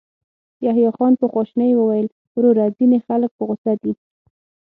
يحيی خان په خواشينۍ وويل: وروره، ځينې خلک په غوسه دي.